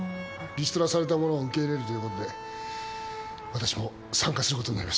リストラされた者を受け入れるという事で私も参加する事になりました。